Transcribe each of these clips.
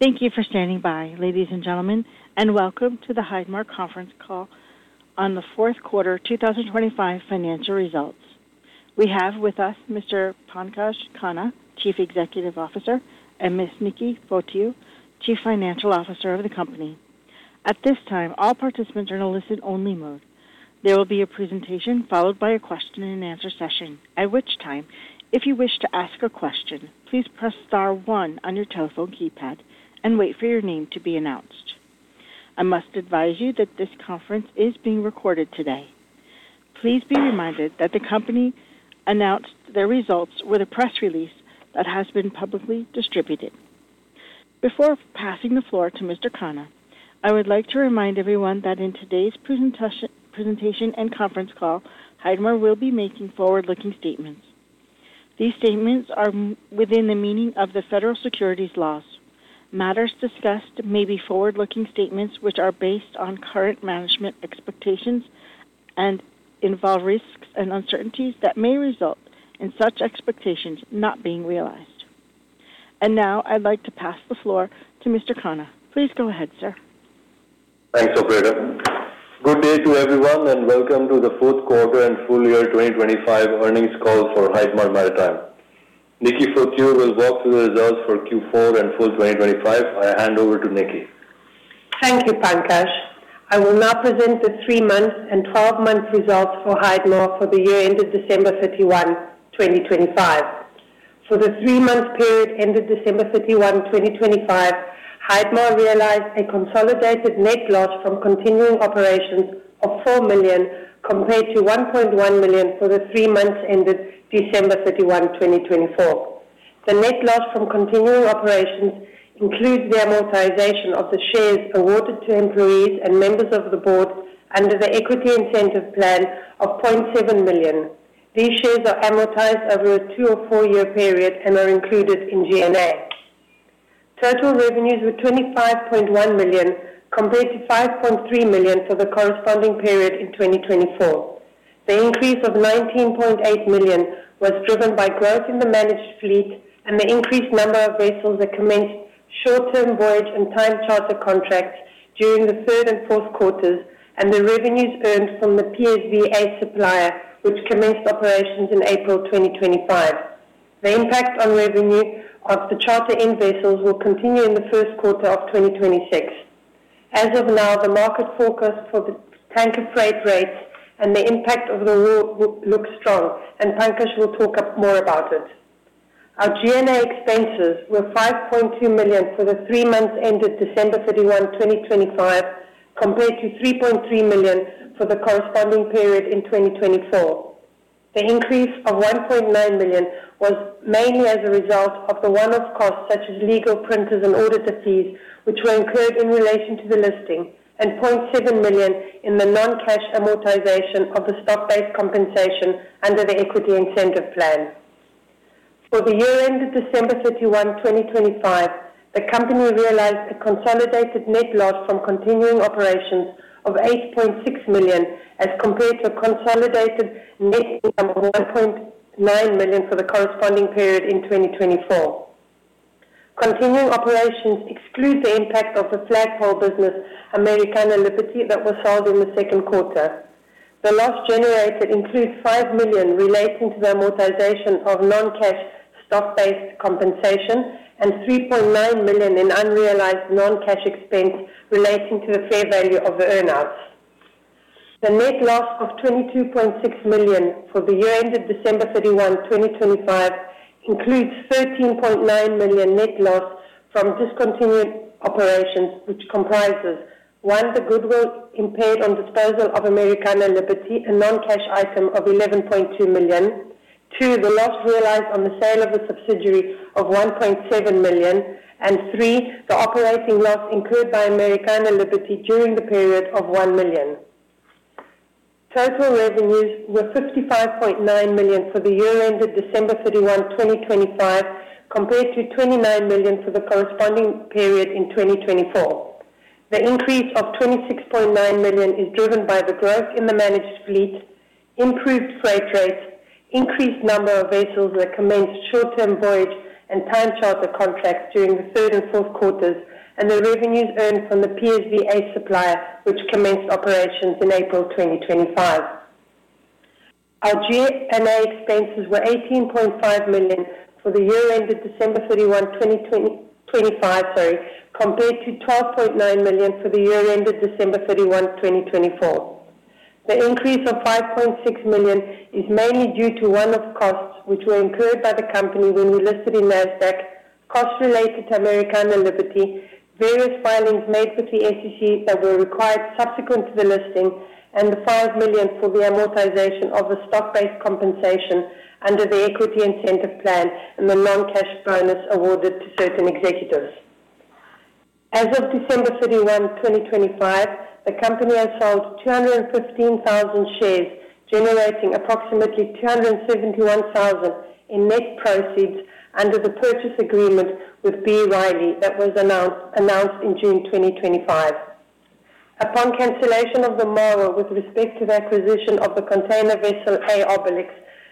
Thank you for standing by, ladies and gentlemen, and welcome to the Heidmar conference call on the fourth quarter 2025 financial results. We have with us Mr. Pankaj Khanna, Chief Executive Officer, and Ms. Niki Fotiou, Chief Financial Officer of the company. At this time, all participants are in a listen only mode. There will be a presentation followed by a question and answer session. At which time, if you wish to ask a question, please press star one on your telephone keypad and wait for your name to be announced. I must advise you that this conference is being recorded today. Please be reminded that the company announced their results with a press release that has been publicly distributed. Before passing the floor to Mr. Khanna, I would like to remind everyone that in today's presentation and conference call, Heidmar will be making forward-looking statements. These statements are within the meaning of the Federal securities laws. Matters discussed may be forward-looking statements which are based on current management expectations and involve risks and uncertainties that may result in such expectations not being realized. Now I'd like to pass the floor to Mr. Khanna. Please go ahead, sir. Thanks, operator. Good day to everyone, and welcome to the fourth quarter and full year 2025 earnings call for Heidmar Maritime. Niki Fotiou will walk through the results for Q4 and full 2025. I hand over to Niki. Thank you, Pankaj. I will now present the three-month and 12-month results for Heidmar for the year ended December 31, 2025. For the three-month period ended December 31, 2025, Heidmar realized a consolidated net loss from continuing operations of $4 million, compared to $1.1 million for the three months ended December 31, 2024. The net loss from continuing operations includes the amortization of the shares awarded to employees and members of the board under the equity incentive plan of $0.7 million. These shares are amortized over a two or four-year period and are included in G&A. Total revenues were $25.1 million, compared to $5.3 million for the corresponding period in 2024. The increase of $19.8 million was driven by growth in the managed fleet and the increased number of vessels that commenced short-term voyage and time charter contracts during the third and fourth quarters, and the revenues earned from the PSV Ace Supplier, which commenced operations in April 2025. The impact on revenue of the charter-in vessels will continue in the first quarter of 2026. As of now, the market forecast for the tanker freight rates and the impact of the Red Sea looks strong and Pankaj will talk more about it. Our G&A expenses were $5.2 million for the three months ended December 31, 2025, compared to $3.3 million for the corresponding period in 2024. The increase of $1.9 million was mainly as a result of the one-off costs such as legal, printers, and auditor fees, which were incurred in relation to the listing, and $0.7 million in the non-cash amortization of the stock-based compensation under the Equity Incentive Plan. For the year ended December 31, 2025, the company realized a consolidated net loss from continuing operations of $8.6 million as compared to a consolidated net income of $1.9 million for the corresponding period in 2024. Continuing operations exclude the impact of the flagpole business, Americana Liberty, that was sold in the second quarter. The loss generated includes $5 million relating to the amortization of non-cash stock-based compensation and $3.9 million in unrealized non-cash expense relating to the fair value of the earn-outs. The net loss of $22.6 million for the year ended December 31, 2025, includes $13.9 million net loss from discontinued operations, which comprises, one, the goodwill impaired on disposal of Americana Liberty, a non-cash item of $11.2 million. Two, the loss realized on the sale of a subsidiary of $1.7 million. Three, the operating loss incurred by Americana Liberty during the period of $1 million. Total revenues were $55.9 million for the year ended December 31, 2025, compared to $29 million for the corresponding period in 2024. The increase of $26.9 million is driven by the growth in the managed fleet, improved freight rates, increased number of vessels that commenced short-term voyage and time charter contracts during the third and fourth quarters, and the revenues earned from the PSV Ace Supplier, which commenced operations in April 2025. Our G&A expenses were $18.5 million for the year ended December 31, 2025, sorry, compared to $12.9 million for the year ended December 31, 2024. The increase of $5.6 million is mainly due to one-off costs which were incurred by the company when we listed in Nasdaq, costs related to Americana Liberty, various filings made with the SEC that were required subsequent to the listing, and the $5 million for the amortization of the stock-based compensation under the Equity Incentive Plan, and the non-cash bonus awarded to certain executives. As of December 31, 2025, the company has sold 215,000 shares, generating approximately $271,000 in net proceeds under the purchase agreement with B. Riley that was announced in June 2025. Upon cancellation of the merger with respect to the acquisition of the container vessel A. Obelix,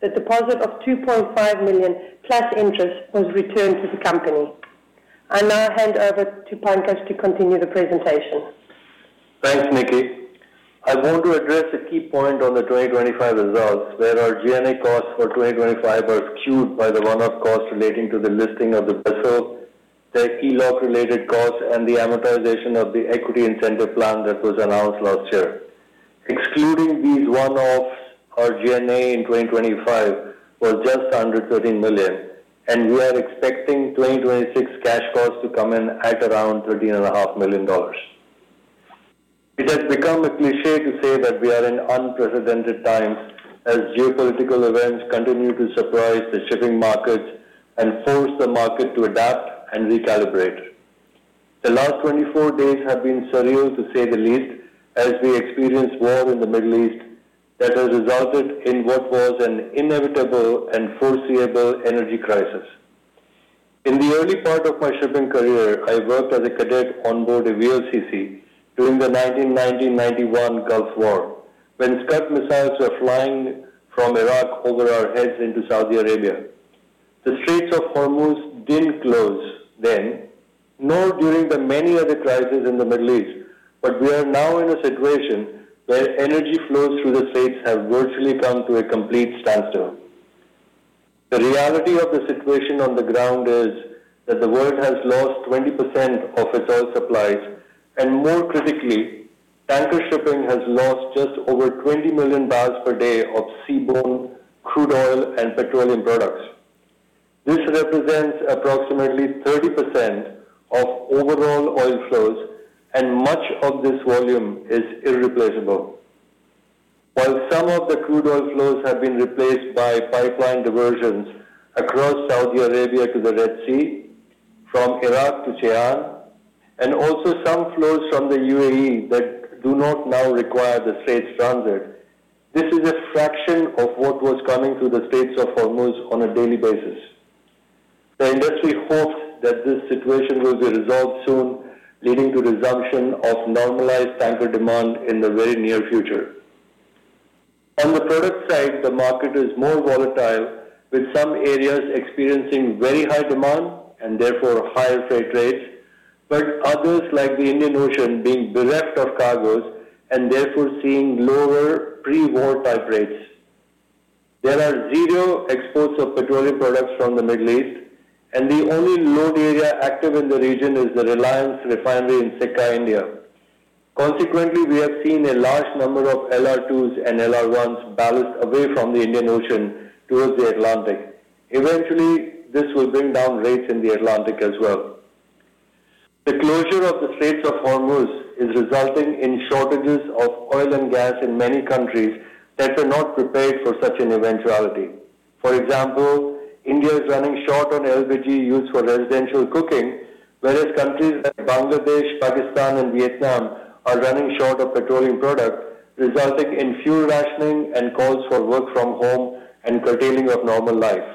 the deposit of $2.5 million plus interest was returned to the company. I now hand over to Pankaj to continue the presentation. Thanks, Niki. I want to address a key point on the 2025 results, where our G&A costs for 2025 are skewed by the one-off costs relating to the listing of the vessel, the key lock related costs, and the amortization of the Equity Incentive Plan that was announced last year. Excluding these one-offs, our G&A in 2025 was just under $13 million, and we are expecting 2026 cash costs to come in at around $13.5 million. It has become a cliché to say that we are in unprecedented times as geopolitical events continue to surprise the shipping markets and force the market to adapt and recalibrate. The last 24 days have been surreal, to say the least, as we experience war in the Middle East that has resulted in what was an inevitable and foreseeable energy crisis. In the early part of my shipping career, I worked as a cadet on board a VLCC during the 1990-1991 Gulf War, when SCUD missiles were flying from Iraq over our heads into Saudi Arabia. The Strait of Hormuz didn't close then, nor during the many other crises in the Middle East. We are now in a situation where energy flows through the strait have virtually come to a complete standstill. The reality of the situation on the ground is that the world has lost 20% of its oil supplies. More critically, tanker shipping has lost just over 20 million barrels per day of seaborne crude oil and petroleum products. This represents approximately 30% of overall oil flows, and much of this volume is irreplaceable. While some of the crude oil flows have been replaced by pipeline diversions across Saudi Arabia to the Red Sea, from Iraq to Ceyhan, and also some flows from the UAE that do not now require the Strait of Hormuz, this is a fraction of what was coming through the Strait of Hormuz on a daily basis. The industry hopes that this situation will be resolved soon, leading to resumption of normalized tanker demand in the very near future. On the product side, the market is more volatile, with some areas experiencing very high demand and therefore higher freight rates, but others, like the Indian Ocean, being bereft of cargoes and therefore seeing lower pre-war type rates. There are zero exports of petroleum products from the Middle East, and the only load area active in the region is the Reliance Refinery in Sikka, India. Consequently, we have seen a large number of LR2s and LR1s ballast away from the Indian Ocean towards the Atlantic. Eventually, this will bring down rates in the Atlantic as well. The closure of the Strait of Hormuz is resulting in shortages of oil and gas in many countries that are not prepared for such an eventuality. For example, India is running short on LPG used for residential cooking, whereas countries like Bangladesh, Pakistan, and Vietnam are running short of petroleum products, resulting in fuel rationing and calls for work from home and curtailing of normal life.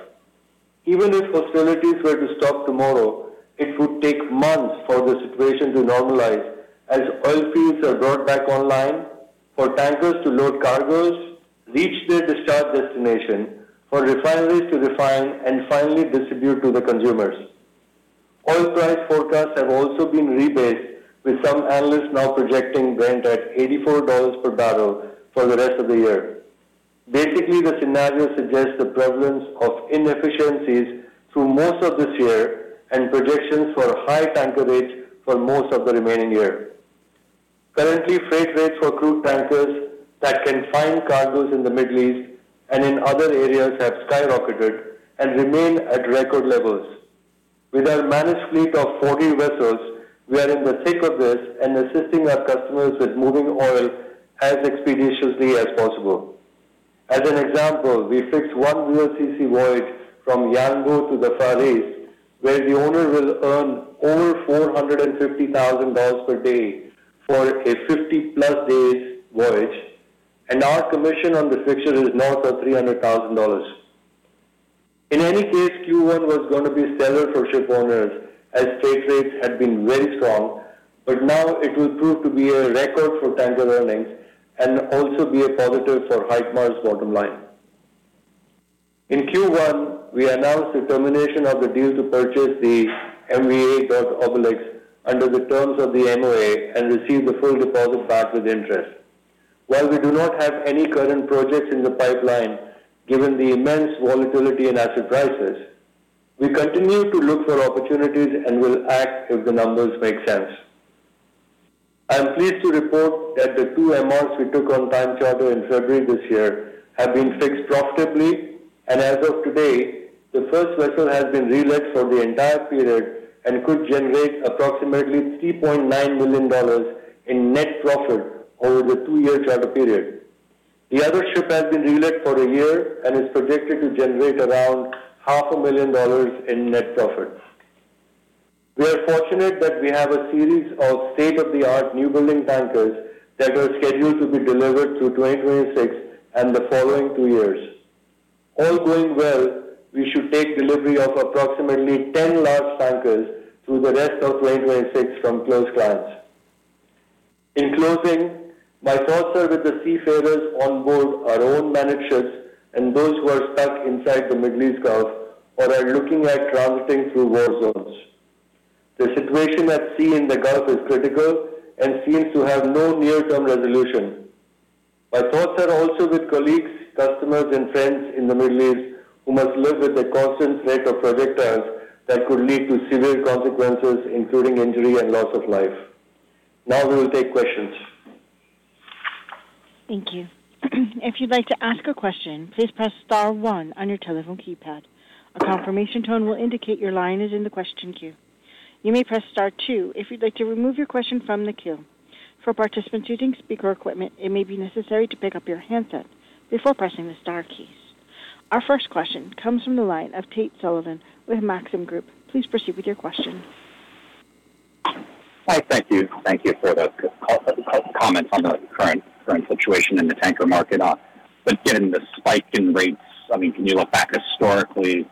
Even if hostilities were to stop tomorrow, it would take months for the situation to normalize as oil fields are brought back online, for tankers to load cargoes, reach their discharge destination, for refineries to refine, and finally distribute to the consumers. Oil price forecasts have also been rebased, with some analysts now projecting Brent at $84 per barrel for the rest of the year. Basically, the scenario suggests the prevalence of inefficiencies through most of this year and projections for high tanker rates for most of the remaining year. Currently, freight rates for crude tankers that can find cargoes in the Middle East and in other areas have skyrocketed and remain at record levels. With our managed fleet of 40 vessels, we are in the thick of this and assisting our customers with moving oil as expeditiously as possible. As an example, we fixed one VLCC voyage from Yanbu to Doraleh, where the owner will earn over $450,000 per day for a 50+ days voyage, and our commission on this fixture is north of $300,000. In any case, Q1 was going to be stellar for shipowners as freight rates had been very strong. Now it will prove to be a record for tanker earnings and also be a positive for Heidmar's bottom line. In Q1, we announced the termination of the deal to purchase the C/V A. Obelix under the terms of the MOA and received the full deposit back with interest. While we do not have any current projects in the pipeline, given the immense volatility in asset prices, we continue to look for opportunities and will act if the numbers make sense. I am pleased to report that the 2-Mos we took on time charter in February this year have been fixed profitably, and as of today, the first vessel has been relet for the entire period and could generate approximately $3.9 million in net profit over the two-year charter period. The other ship has been relet for a year and is projected to generate around $500,000 in net profit. We are fortunate that we have a series of state-of-the-art newbuilding tankers that are scheduled to be delivered through 2026 and the following two years. All going well, we should take delivery of approximately 10 large tankers through the rest of 2026 from close clients. In closing, my thoughts are with the seafarers on board our own managed ships and those who are stuck inside the Middle East Gulf or are looking at transiting through war zones. The situation at sea in the Gulf is critical and seems to have no near-term resolution. My thoughts are also with colleagues, customers and friends in the Middle East who must live with the constant threat of projectiles that could lead to severe consequences, including injury and loss of life. Now we will take questions. Thank you. If you'd like to ask a question, please press star one on your telephone keypad. A confirmation tone will indicate your line is in the question queue. You may press star two if you'd like to remove your question from the queue. For participants using speaker equipment, it may be necessary to pick up your handset before pressing the star keys. Our first question comes from the line of Tate Sullivan with Maxim Group. Please proceed with your question. Hi. Thank you. Thank you for the comments on the current situation in the tanker market. I mean, given the spike in rates, can you look back historically,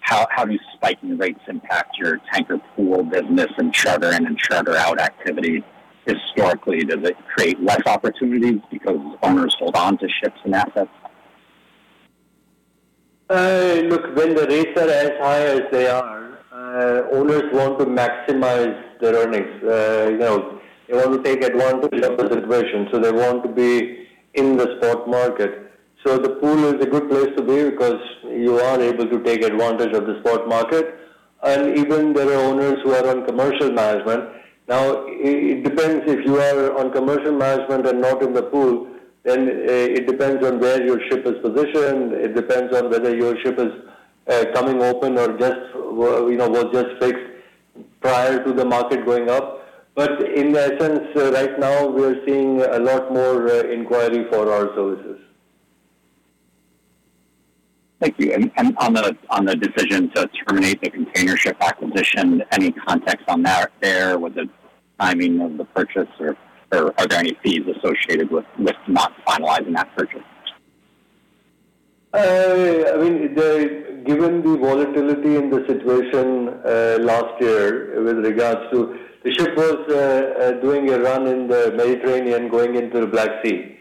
how do spiking rates impact your tanker pool business and charter in and charter out activity historically? Does it create less opportunities because owners hold on to ships and assets? Look, when the rates are as high as they are, owners want to maximize their earnings. You know, they want to take advantage of the situation, so they want to be in the spot market. The pool is a good place to be because you are able to take advantage of the spot market. Even there are owners who are on commercial management. Now, it depends if you are on commercial management and not in the pool, then it depends on where your ship is positioned. It depends on whether your ship is coming open or just, you know, was just fixed prior to the market going up. In essence, right now we're seeing a lot more inquiry for our services. Thank you. On the decision to terminate the container ship acquisition, any context on that there with the timing of the purchase or are there any fees associated with not finalizing that purchase? I mean, given the volatility in the situation last year with regards to the ship was doing a run in the Mediterranean going into the Black Sea.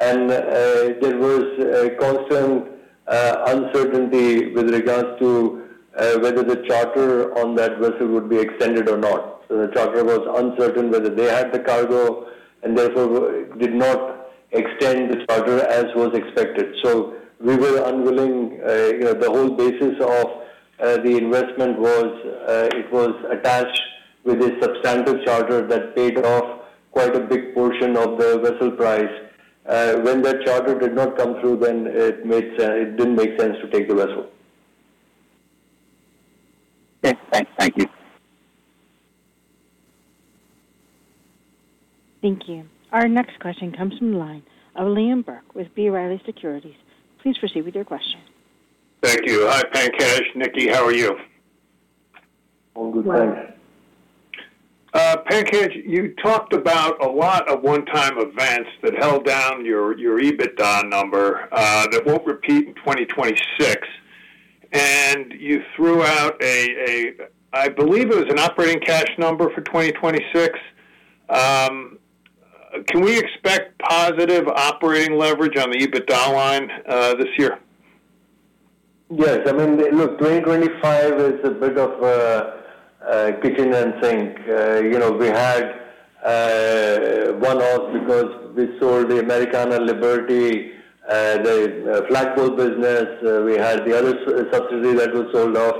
There was a constant uncertainty with regards to whether the charter on that vessel would be extended or not. The charter was uncertain whether they had the cargo and therefore did not extend the charter as was expected. We were unwilling, you know, the whole basis of the investment was, it was attached with a substantial charter that paid off quite a big portion of the vessel price. When that charter did not come through, it didn't make sense to take the vessel. Okay. Thank you. Thank you. Our next question comes from the line of Liam Burke with B. Riley Securities. Please proceed with your question. Thank you. Hi, Pankaj. Niki, how are you? All good. Thanks. Pankaj, you talked about a lot of one-time events that held down your EBITDA number that won't repeat in 2026. You threw out a, I believe it was an operating cash number for 2026. Can we expect positive operating leverage on the EBITDA line this year? Yes. I mean, look, 2025 is a bit of a kitchen sink. You know, we had one-off because we sold the Americana Liberty. We had the other subsidiary that was sold off,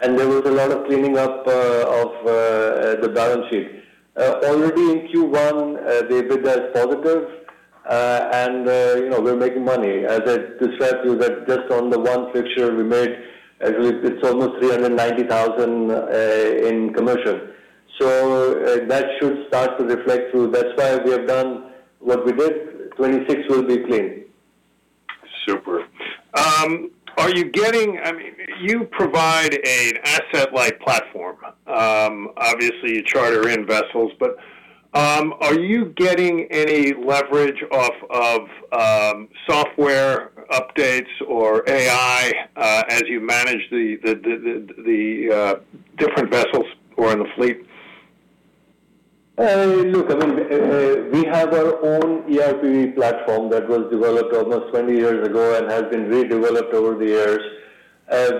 and there was a lot of cleaning up of the balance sheet. Already in Q1, the EBITDA is positive, and you know, we're making money. As I described to you that just on the one fixture we made, at least it's almost $390,000 in commission. So, that should start to reflect through. That's why we have done what we did. 2026 will be clean. Super. Are you getting... I mean, you provide an asset-light platform. Obviously you charter in vessels, but are you getting any leverage off of software updates or AI as you manage the different vessels or in the fleet? Look, I mean, we have our own ERP platform that was developed almost 20 years ago and has been redeveloped over the years.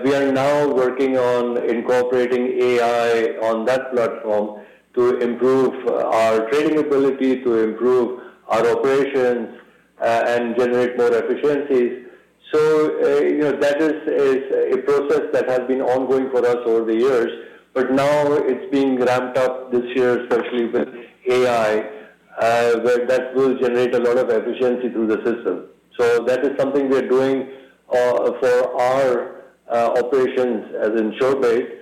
We are now working on incorporating AI on that platform to improve our trading ability, to improve our operations, and generate more efficiencies. You know, that is a process that has been ongoing for us over the years, but now it's being ramped up this year, especially with AI, where that will generate a lot of efficiency through the system. That is something we are doing for our operations as in shore-based.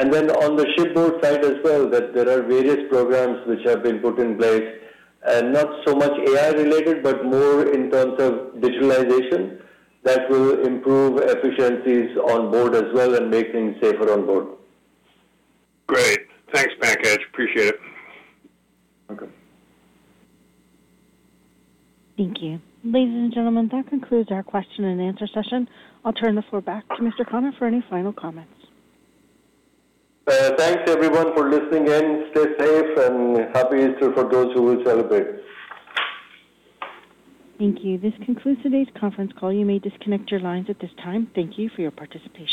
On the shipboard side as well, that there are various programs which have been put in place, not so much AI related, but more in terms of digitalization that will improve efficiencies on board as well and make things safer on board. Great. Thanks, Pankaj. Appreciate it. Okay. Thank you. Ladies and gentlemen, that concludes our question and answer session. I'll turn the floor back to Mr. Khanna for any final comments. Thanks everyone for listening in. Stay safe and Happy Easter for those who will celebrate. Thank you. This concludes today's conference call. You may disconnect your lines at this time. Thank you for your participation.